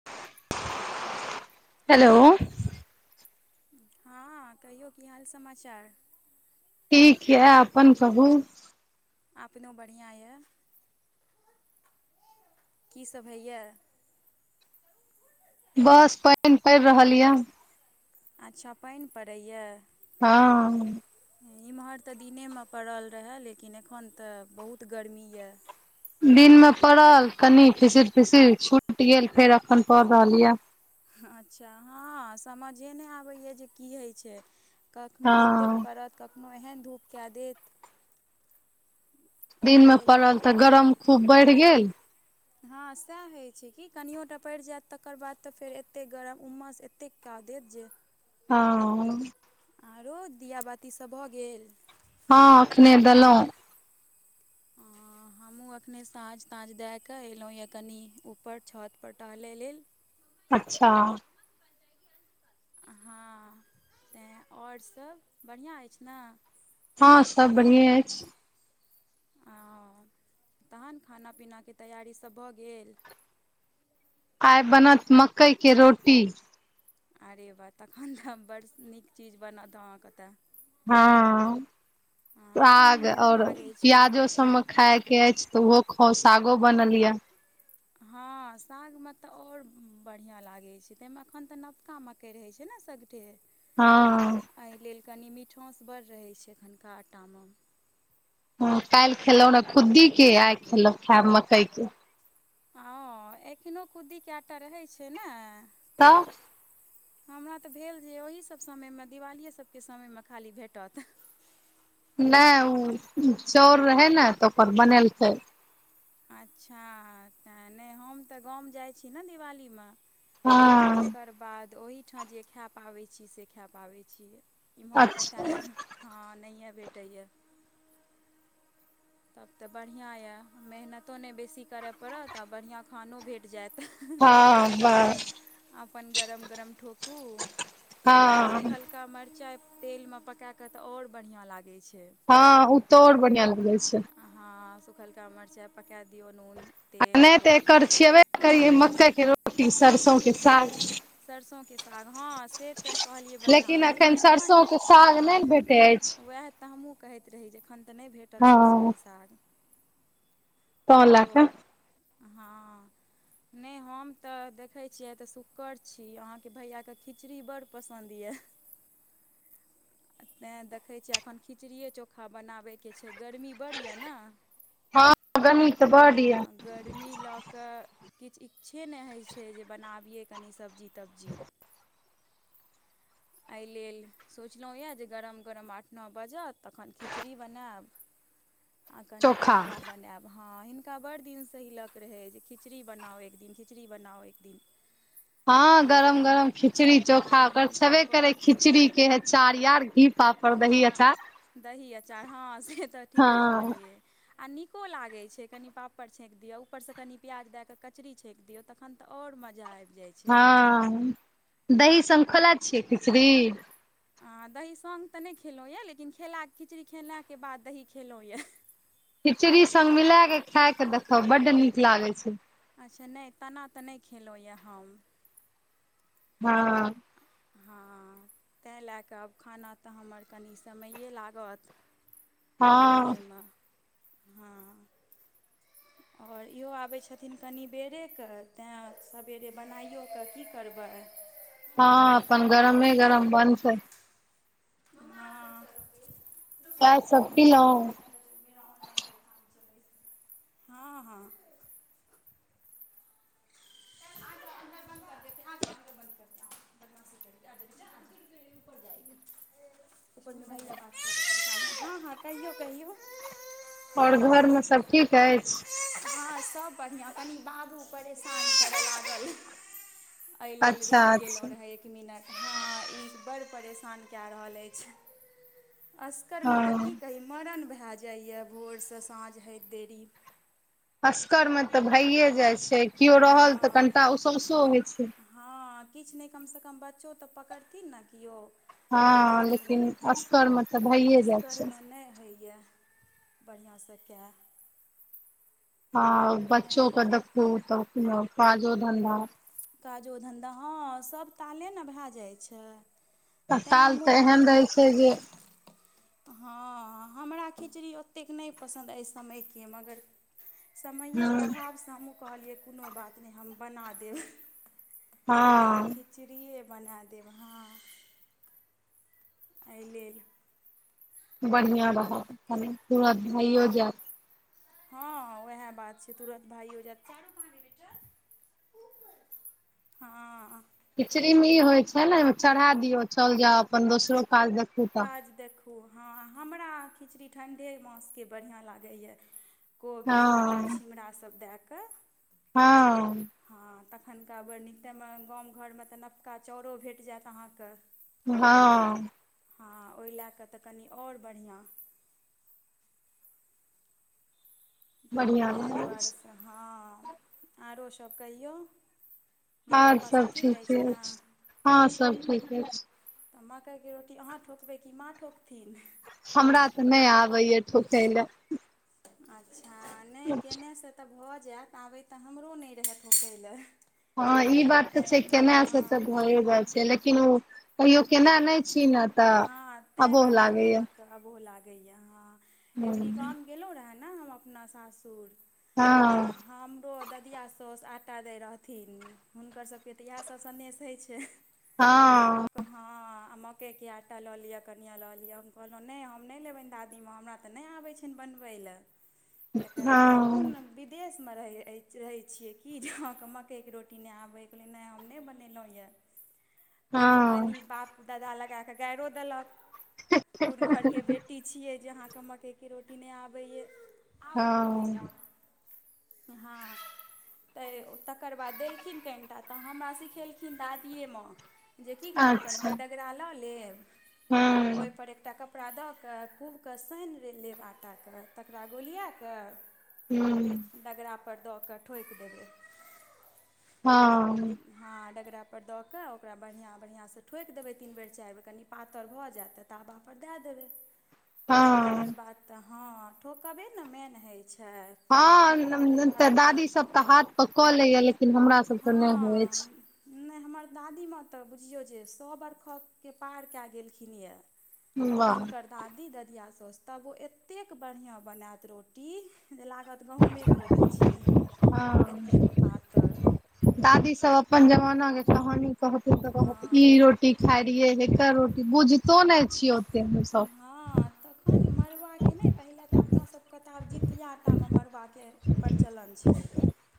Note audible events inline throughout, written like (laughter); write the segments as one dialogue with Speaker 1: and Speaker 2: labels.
Speaker 1: (inaudible)
Speaker 2: Hello हँ कहियौ की हाल समाचार।
Speaker 1: ठीक यऽ अपन कहू।
Speaker 2: अपनो बढ़िआँ यए। की सब होइए।
Speaker 1: बस पइन पड़ि रहल यऽ।
Speaker 2: अच्छा पइन पड़ैए।
Speaker 1: हाँ।
Speaker 2: इम्हर त दिनेमे पड़ल रहे लेकिन एखन त बहुत गर्मी यऽ।
Speaker 1: दिनमे पड़ल कनी फिसीर- फिसीर छुट गेल फेर अखन पड़ रहल यऽ।
Speaker 2: अच्छा हँ समझे नहि आबैए जे की होइ छैय। कखनो एतेक
Speaker 1: हँ
Speaker 2: पड़त कखनो एहन धूप कए देत। एहि
Speaker 1: दिनमे
Speaker 2: लेल
Speaker 1: पड़ल त गरम खूब बइढ़ गेल।
Speaker 2: हँ सएह होइ छैय कि कनियो टा पड़इ जैत तकर बाद त फेर एतेक गरम उमस एतेक कए देत जे।
Speaker 1: हँ।
Speaker 2: आरो दिया-बाती सभ भ गेल।
Speaker 1: हँ अखने देलऊं।
Speaker 2: आ। हमु अखने साँझ-ताँझ दए कऽ एलहुँ यऽ कनि ऊपर छतपर टहलै लेल।
Speaker 1: अच्छा।
Speaker 2: हँ तैँ, आओर सब बढ़िआँ अछि न।
Speaker 1: हँ सब बढ़िएं अछि।
Speaker 2: अ, तहन खाना पीनाके तैयारी सब भ गेल।
Speaker 1: आइ बनत मकई के रोटी।
Speaker 2: अरे बा तखन त बड़ नीक चीज बनत अहाँकेँ त।
Speaker 1: हँ।
Speaker 2: हँ एखन
Speaker 1: साग
Speaker 2: नीको
Speaker 1: और
Speaker 2: लागै छै
Speaker 1: प्याजो सबमे खायके अइछ त उहो खाव सागो बनल ये।
Speaker 2: हँ सागमे त और बढ़िआँ लागै छैय तइमे अखन त नवका म कइ रहै छैय ने सगठे।
Speaker 1: हँ।
Speaker 2: अय लेले कनि मिठाँस बड रहै छैय एखनका आटा म।
Speaker 1: ह काल्हि खेलौ रह खुद्दीके आइ खेलहु खायब मकई के।
Speaker 2: ओ एखनो खुद्दीके आटा रहै छैय नय।
Speaker 1: त।
Speaker 2: हमरा त भेल जे ओहि सभ समयमे दिवालीये सभके समयमे खाली भेटत।
Speaker 1: नय ओ चाउर रहे ने त ओकर बनेलकै।
Speaker 2: अच्छा तें नहि हम तऽ गाम जाइ छी ने दिवालीमे
Speaker 1: हँ
Speaker 2: तकर बाद ओहिठाम जे खाऽ पाबैत छी से खाऽ पाबैत छियै। इम्हर कतऽ
Speaker 1: अच्छा
Speaker 2: हँ नहिए भेटैए। तब त बढ़िआँ यए मेहनतो नय बेसी करय पड़त आ बढ़िआँ खानो भेट जैत। आ
Speaker 1: हँ बस
Speaker 2: अपन गरम-गरम ठोकु आ
Speaker 1: हँ
Speaker 2: सुखल का मरचाइ तेलमे पकाकऽ त आओर बढ़िआँ लागै छैय।
Speaker 1: हँ उ तोऔर बढ़ियां लगे छै।
Speaker 2: अहाँ सुखलका मरचाइ पकै दियौ नून
Speaker 1: आ
Speaker 2: तेल
Speaker 1: नहि तऽ
Speaker 2: रोटी
Speaker 1: एकर छेबे करियै मकइ के रोटी, सरिसों के साग।
Speaker 2: सरिसो के साग, हँ से तऽ कहलियै बढ़िआँ, लेकिन एखन
Speaker 1: सरसों
Speaker 2: नहि
Speaker 1: के साग नहि
Speaker 2: हँ
Speaker 1: ने भेटै अछि
Speaker 2: उएह तऽ हमहूँ कहैत रही, जे एखन तऽ नहि भेटत सरिसो
Speaker 1: हँ
Speaker 2: के साग।
Speaker 1: तैं लए
Speaker 2: आरो
Speaker 1: कऽ
Speaker 2: हाँ, नहि हम तऽ देखैय किए तऽ शुक्ड़ छी, अहाँके भैयाके खिचड़ी बड पसन्द यए। (inaudible) तैँ देखै छियै एखन खिचड़िए चोखा बनाबयके छै गर्मी बड़ यए न।
Speaker 1: हँ गर्मी तऽ बड याऽ।
Speaker 2: गर्मी लऽ कऽ किछ इच्छे नहि होइ छै जे बनाबियै कनि सब्जी। तबजी एहि लेल सोचलहुँ यए जे गरम गरम आठ नअ बजत, तखन खिचड़ी बनायब। आ कनि चोखा बनैब। हँ हिनका बड़ दिन स हिलक रहै, जे खिचड़ी बनाउ एक दिन, खिचड़ी बनाउ एक दिन।
Speaker 1: हँ गरम-
Speaker 2: लेकिन
Speaker 1: गरम खिचड़ी चोखा
Speaker 2: हँ
Speaker 1: ओकर
Speaker 2: हिनका
Speaker 1: छेबे करे
Speaker 2: बड़
Speaker 1: खिचड़ी के है चार यार, घी पापड़ दही
Speaker 2: हँ
Speaker 1: अचार
Speaker 2: दही अचार, हँ से तऽ ठीके
Speaker 1: हँ
Speaker 2: कहलियै। आ नीको लागै छै, कनि पापड़ छेक दियौ, ऊपरसँ कनि प्याज दए कऽ कचड़ी छेक दियौ। तखन त और मजा आबि जाय।
Speaker 1: हँ दही संग खोला छियै खिचड़ी।
Speaker 2: आ दही संग तऽ नहि खेलहुँ यए, लेकिन खेला खिचड़ी खेलाके बाद दही खेलहुँ यए।
Speaker 1: खिचड़ी संग मिलाके खाय के देखाउ बड्ड नीक लागै छै।
Speaker 2: अच्छे नहि, तेना तऽ नहि खेलहुँ यए हम।
Speaker 1: हँ
Speaker 2: हँ तए लए कऽ आब खाना तऽ हमर कनि समैए लागत।
Speaker 1: हँ
Speaker 2: बनैय मे हँ। आओर इहो आबै छथिन कनि बेरे क, तैँ सबेरे बनाइयो कऽ की करबैय।
Speaker 1: हँ अप्पन गरमे- गरम बनतैय।
Speaker 2: (unintelligible) पहिले
Speaker 1: चाय
Speaker 2: पुरा
Speaker 1: सब
Speaker 2: ऑनलाइन
Speaker 1: पीलहुँ
Speaker 2: पर काम चलैत, हँ- हँ। अन्दर आजा, अन्दर बंद कर देते आजा अन्दरे बंद कर देते बदमाशी करैया। लिफ्ट पर जायेगी, हेलो, ऊपर त भागि जैब पाॅच पर। हँ हँ कहियौ- कहियौ
Speaker 1: आओर घरमे सभ ठीक अछि।
Speaker 2: आहाॅ सब। बढ़िआँ कनि बाबू परेशान करय लागल। एहि लेल
Speaker 1: अच्छा
Speaker 2: रुकि गेलो
Speaker 1: अच्छा
Speaker 2: रहय एक इ मीनट हँ ई बड़ परेशान कए रहल अछि अस करमै तऽ
Speaker 1: हँ
Speaker 2: की कही मरण भए जाइएया, भोरसँ साँझ होइत देरी।
Speaker 1: असगर मे तऽ भइए जाइत छै, किओ रहल तऽ
Speaker 2: हँ
Speaker 1: कनिटा ओ सौसो मिर्च होइत छै।
Speaker 2: हँ किछु नहि कम सँ कम बच्चो तऽ पकड़थिन न किओ।
Speaker 1: हँ
Speaker 2: लेकिन
Speaker 1: असगरमे तऽ भइए जाइ
Speaker 2: अस्तर
Speaker 1: छै
Speaker 2: मे नहि होइए। बढ़िआँ सँ कए
Speaker 1: हॅ
Speaker 2: तैँ
Speaker 1: बच्चो के देखू तब काजो धन्धा
Speaker 2: काजो धन्धा हँ सभ ताले ने भए जाइ छै।
Speaker 1: त
Speaker 2: तैँ
Speaker 1: ताल
Speaker 2: हमहूँ
Speaker 1: तऽ एहन रहै
Speaker 2: कहलियै
Speaker 1: छै जे।
Speaker 2: हँ हमरा खिचड़ी ओतेक नहि पसन्द एहि समयके मगर। समैेये के
Speaker 1: हँ
Speaker 2: अभावसँ हमहूँ कहलियै कोनो बात नहि हम बना देब। आइ
Speaker 1: हँ
Speaker 2: खिचड़िए बना देब हँ। एहि लेलेल।
Speaker 1: बढ़िया रहत तुरंत भइयो
Speaker 2: हँ
Speaker 1: जायत।
Speaker 2: हँ उएह बात छै तुरन्त भाइो जाइत। हँ।
Speaker 1: खिचड़ी मे ई होइ छै ने चढ़ा दियौ चल जाउ अपन दोसरो काज देख।
Speaker 2: काज देखू हँ हमरा खिचड़ी ठण्ढे मासके बढ़िआँ लागैए। कोबी मटर
Speaker 1: हँ
Speaker 2: छिमरासभ दए कऽ।
Speaker 1: हँ।
Speaker 2: हँ तखननका बड् नीक टामे गाम घरमे तऽ नवका चाउरो भेट जायत अहाँके।
Speaker 1: हँ।
Speaker 2: हँ ओहि लए कऽ तऽ कनि आओर बढ़िआँ।
Speaker 1: बढ़िआँ
Speaker 2: तैँहि
Speaker 1: लागै छै
Speaker 2: दुआरेसँ हँ आरो सभ कहियौ। माँ
Speaker 1: आर
Speaker 2: पप्पा सभ
Speaker 1: सब
Speaker 2: ठीक
Speaker 1: ठीके अछि
Speaker 2: ने
Speaker 1: हँ सब ठीक अछ।
Speaker 2: तऽ मकइके रोटी अहाँ ठोकबै कि माँ ठोकथिन।
Speaker 1: हमरा तऽ नहि आबैए ठोकय लऽ।
Speaker 2: अच्छा नहि केने से। तऽ भऽ जायत आबय तऽ हमरो नहि रहत ठोकै लेल।
Speaker 1: हँ ई बात तऽ छै केना से तऽ भएए जाइ छै लेकिन ओ। कहियो
Speaker 2: ए
Speaker 1: केना नहि छी ने तऽ
Speaker 2: हँ तैँ
Speaker 1: अबोह
Speaker 2: कनि
Speaker 1: लागैया
Speaker 2: अहाँकेँ अबूह लागैए हँ। अबेरी
Speaker 1: हँ
Speaker 2: गाम गेलहुँ रहऽ ने हम अपना सासुर तऽ
Speaker 1: हँ
Speaker 2: हमरो ददिया। सउस आटा दै रहथिन हुनकर सबके तऽ इएह सब सनेेश होइ छै।
Speaker 1: हँ।
Speaker 2: हँ आ मकइके आटा लऽ लिअ कनिआ लऽ लिअ हम कहलहुँ नहि हम नहि लेबनि दादीमे हमरा। नई आबे छन बनबेला तकर अहां कोन
Speaker 1: हँ
Speaker 2: विध। देशमे रहै रहै छियै कि जे अहाँके मकइके रोटी नहि आबैके ल नहि हम नहि बनेलहुँ यऽ।
Speaker 1: हँ
Speaker 2: ल ग द। छियै जे अहाँके मकइके रोटी नहि आबैय आउ
Speaker 1: हँ
Speaker 2: म्म। हं। तऽ तकर बाद देलखिन कनि टा तऽ हमरा सिखेलखिन दादिए माँ। जे की करब
Speaker 1: अच्छा
Speaker 2: कनिया आ डगरा लऽ लेब
Speaker 1: हँ
Speaker 2: ओहिपर एकटा क। कपड़ा दऽ कऽ खूबके सानि लेब आटाके तकरा गोलिया कऽ।
Speaker 1: हूं।
Speaker 2: दगरा परर दऽ कऽ ठोकि देबे।
Speaker 1: हँ।
Speaker 2: हँ डगरा पर दऽ कऽ ओकरा। बढ़िआँ बढ़िआँसँ ठोकि देबै तीन बेर चारि बेर कनि पातर भऽ जायत तऽ ताबापर दए देबै। तकर
Speaker 1: हँ
Speaker 2: बाद तऽ हँ ठोकबे ने मेन होइत छै। फेर ठोकलाके
Speaker 1: हँ तऽ
Speaker 2: बाद
Speaker 1: दादीसभ तऽ हाथ पर कऽ लैए लेकिन हमरा सभ तऽ नहि होइ
Speaker 2: हँ
Speaker 1: अछि।
Speaker 2: नहि हमर दादीमाँ तऽ बुझियौ जे सए बरखकके पार कए गेलखिन यऽ।
Speaker 1: वाह
Speaker 2: हिनकर। दादी ददिआ सउसु तब ओ एतेक बढ़िआँ बनायत रोटी जे लागत। ऽ गहूँमेके रोटी छियै
Speaker 1: हँ
Speaker 2: एतेक पातर।
Speaker 1: दादी सब अपन जमाना के कहानी कहथि तऽ कह
Speaker 2: हँ
Speaker 1: ई रोटी खाय रहियै हेकहर रोटी बुझितो नहि छिय ओते हमसभ
Speaker 2: हँ तखन मरबाके नइ पहिले तऽ अपना सबके तऽ आब जीतियाटा म मरबाका के प्रचलन छै।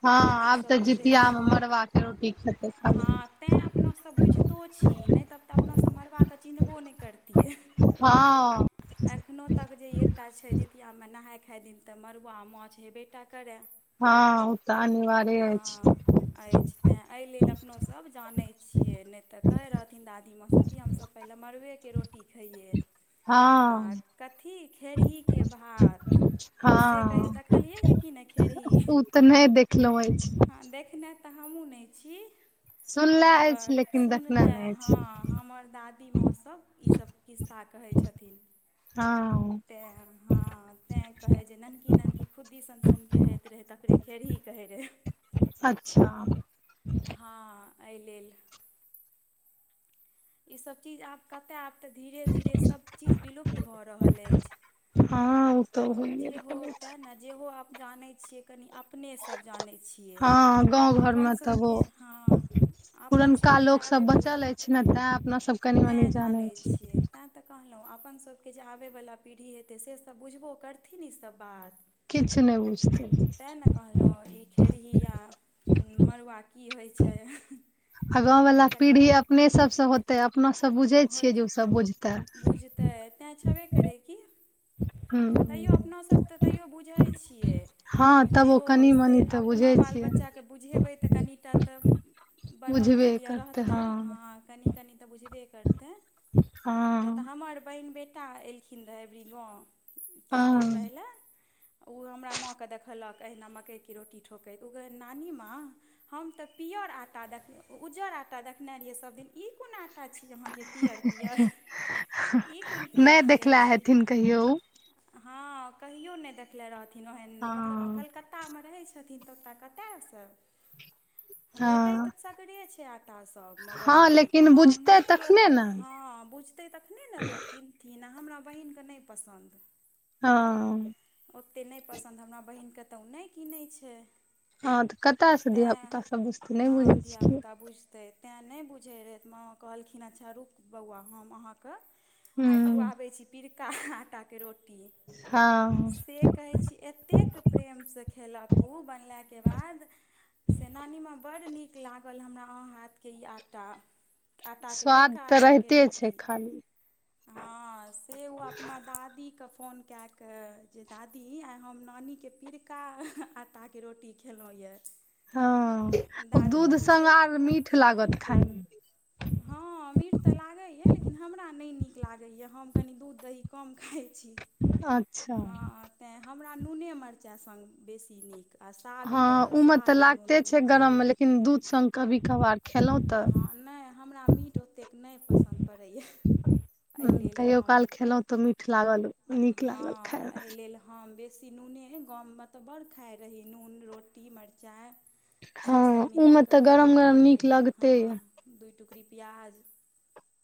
Speaker 1: हँ आब
Speaker 2: अपनासभ
Speaker 1: तऽ
Speaker 2: बुझै
Speaker 1: जितिया मे
Speaker 2: छियै
Speaker 1: मड़बा के रोटी खेतै खाली
Speaker 2: हाथ तैँ अपनासभ बुझितो छी नइ तऽ तऽ अपनासँ मरबाके चिन्हबो नई करतियै।
Speaker 1: हं
Speaker 2: एखनो तक जे एकटा छै, जितियामे नहाइ खाइ दिन तऽ मड़ुआ माछ हेबेटा करय।
Speaker 1: हँ ओ तऽ अनिवार्य अईछ।
Speaker 2: अइछ तैं एहि लेल अपनो सब जानै छियै नै तऽ कहै रहथिन दादीमाँसभ कि हमसभ पहिले मड़ुएके रोटी खइयै। आ
Speaker 1: हँ
Speaker 2: कथी खेरहीके भात से कहियौ
Speaker 1: हँ
Speaker 2: देखलियैए कि नहि खेरही
Speaker 1: अखनो अइछ
Speaker 2: आ देखने तऽ हमहु नै छी।
Speaker 1: सु
Speaker 2: मगर सुनले हँ हमर दादीमाँ सब ई सब खिस्सा छथिन
Speaker 1: हँ
Speaker 2: (inaudible) तेँ हँ तैँ कहै जे ननककी - ननककी खुद्दी सनसनके होइत रहै तकरे खेरही कहै रहै।
Speaker 1: अच्छा
Speaker 2: हँ एहिलेल ईसभ चीज आब कतय आब तऽ धीरे - धीरे सभचीज विलुप्त भऽ रहल अइछ।
Speaker 1: हँ ओ तऽ
Speaker 2: आ
Speaker 1: होइए
Speaker 2: जे हो
Speaker 1: रहल अछि
Speaker 2: तैँ ने जेहो आब जानै छियै, कनि अपनेसभ जानै छी। छियै,
Speaker 1: हँ गाँव घरमे
Speaker 2: अपन
Speaker 1: तऽ ओ
Speaker 2: सभके हँ अपन सभके जे आबैवला
Speaker 1: छि ने तै अपना सब कनी मनी जानै छी।
Speaker 2: तैँ तऽ कहलहुँ अपन सभके जे आबयवला पीढ़ी हेतै से सब बुझबो करथिन ईसभ बात
Speaker 1: किछु नहि बुझतै
Speaker 2: तै ने कहलौ ई (inaudible) खेरही आ मड़ुआ की होइ छै।
Speaker 1: आ गाँंव वालला पीढ़ी अपने सबसँ होत
Speaker 2: बहुत बुझतै तैं छबे करै की तैयो
Speaker 1: हूँ
Speaker 2: अपना सब तऽ तैयो बुझै छियै।
Speaker 1: हँ तब
Speaker 2: जे
Speaker 1: ओ
Speaker 2: हो
Speaker 1: कनि
Speaker 2: से
Speaker 1: मनि तऽ
Speaker 2: अपना
Speaker 1: बुझै
Speaker 2: बाल
Speaker 1: छियै
Speaker 2: बच्चाकेँ बुझेबै तऽ कनि टा तऽ, बढ़ल
Speaker 1: बुझबे
Speaker 2: मैन लिआ
Speaker 1: करतै
Speaker 2: रहतै हँ कनि - कनि तऽ बुझबे करते क्या तऽ
Speaker 1: हँ
Speaker 2: हमर बहिन बेटा ऄल खिन रहैबरी गाँव किछ दिन
Speaker 1: हँ
Speaker 2: पहिले ऊ हमरा माँकेँ देखलक एहिना मकइके रोटी ठोकैत ओ कहे नानी माँ हम तऽ पियर आटा देख उज्जर आटा देखने रहियै सभदिन ई कोन आटा छी, अहाँके पियर पियर
Speaker 1: हैं है
Speaker 2: ई कोन पियर
Speaker 1: नहि
Speaker 2: पियर
Speaker 1: देखले
Speaker 2: छी
Speaker 1: हेथिन कहियौ ऊ
Speaker 2: हँ कहियो नै देखने रहथिन ओहन मतलब कलक
Speaker 1: हँ
Speaker 2: कलकत्ता में रहै छथिन त कत सँ
Speaker 1: हँ
Speaker 2: भेट त सगरे छै, टा सब मगर
Speaker 1: हँ लेकिन
Speaker 2: हँ नै
Speaker 1: बुझतै
Speaker 2: लोक
Speaker 1: तखने ने
Speaker 2: हँ बुझतै तखने ने लोक किनथिन आ हमरा बहिनके नहि पसन्द
Speaker 1: हँ
Speaker 2: ओते नय पसन्द हमरा बहिनके तऽ ओ नई किनै छै।
Speaker 1: हँ तऽ कतयसँ
Speaker 2: तै
Speaker 1: धियापुता सब बुझतै नहि
Speaker 2: हँ
Speaker 1: बुझै छियै
Speaker 2: धिया-पुता बुझ तऽ तै नहि बुझै रहैऽ मांँ कहलखिन है अच्छा रुक बौआ हम अहाँके आए
Speaker 1: हूँ
Speaker 2: खुआबै छी पिरका आटाके रोटी
Speaker 1: हँ
Speaker 2: से कहै छी। एतेक प्रेमस खेलक ऊ बनलाके बाद से नानीमाँ बड्ड नीक लागल हमरा अहा हाथके ई आटा आटाके
Speaker 1: स्वाद
Speaker 2: पीड़का
Speaker 1: तऽ
Speaker 2: आटाके
Speaker 1: रहिते छै
Speaker 2: रोटी
Speaker 1: खाली
Speaker 2: हँ से ऊ अपना दादीके फोन कए क जे दादी आइ हम नानीके पिरका आटाके रोटी खेलहुँ यै
Speaker 1: हँ ओ दूध संग आर
Speaker 2: कोन
Speaker 1: मीठ लागत खाइमे
Speaker 2: हँ मीट तऽ लागैए लेकिन हमरा नहि नीक लागैए हम कनी दूध-दही कम खाइ छी
Speaker 1: अच्छा
Speaker 2: हँ तै हमरा नूने मरचा संग बेसी नीक आ साग
Speaker 1: हँ
Speaker 2: तऽ
Speaker 1: उ मे
Speaker 2: साग आ नून
Speaker 1: लागते छै
Speaker 2: मिर्चाई
Speaker 1: गरम मे लेकिन दूध संग कभी कभार खेलौं तऽ
Speaker 2: हँ नै हमरा मीठ ओतेक नहि पसन्द पड़ैयै। एहि
Speaker 1: हूं,
Speaker 2: लेल
Speaker 1: कहियो
Speaker 2: हम
Speaker 1: काल खेलौं तऽ मीठ लागल नीक
Speaker 2: हँ
Speaker 1: लागल खायमे
Speaker 2: एहि लेल हम बेसी नूने गाम मे तऽ बड़ खाइ रही नून रोटी मरचाइ सेसब मिला कऽ बड़ नीक लागैत रहे।
Speaker 1: तैऽ
Speaker 2: दूई टुकड़ी प्याज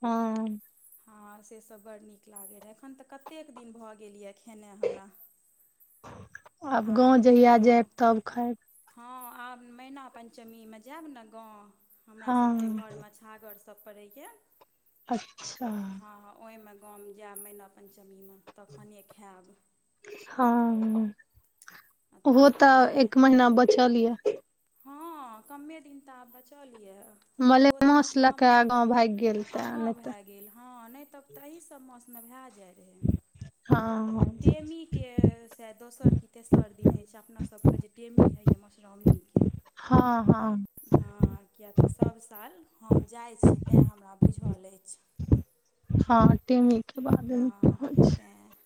Speaker 1: हँ
Speaker 2: हँ सेसब बड़ नीक लागै रहै। एखन तऽ कतेक दिन भऽ गेल यै खेने हमरा
Speaker 1: आब गाँव जहिया जैब तब खैब
Speaker 2: हँ आब मैना पञ्चमीमे जैब ने गाँव हमरासबके
Speaker 1: हँ
Speaker 2: घर में छ छागर सब पड़ैए
Speaker 1: अच्छा
Speaker 2: हँ ह ओहिमे गाम जायब मेना पंञ्चमीमे तखने खैब
Speaker 1: हँ
Speaker 2: आ
Speaker 1: ओहो
Speaker 2: तात
Speaker 1: तऽ
Speaker 2: नहिए
Speaker 1: एक महीना बचल यै।
Speaker 2: हँ कमे दिन तऽ आब बचल यै। ओ तऽ
Speaker 1: मलेमास लऽ
Speaker 2: मश्रराम
Speaker 1: के गाँव भागि गेल ते
Speaker 2: अहा‌
Speaker 1: नहि
Speaker 2: गांव
Speaker 1: तऽ
Speaker 2: भे गेल हँ नहि तब तऽ अहि सब मौसमे भए जाय रहै।
Speaker 1: हँ ह
Speaker 2: टेमी के से दोसर कि तेसर दिन होए छै अपना सबके जे टेमी होइए मधुश्रावणीके
Speaker 1: हँ हँ
Speaker 2: हँ किया तऽ सब साल हम जाइ छी तै हमरा बुझल अइछ।
Speaker 1: हँ टेमी के बाद होइ
Speaker 2: हँ
Speaker 1: छय।
Speaker 2: तेँ